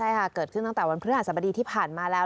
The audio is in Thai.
ใช่ค่ะเกิดขึ้นตั้งแต่วันพฤหัสบดีที่ผ่านมาแล้ว